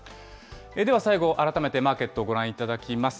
では最後、改めてマーケットをご覧いただきます。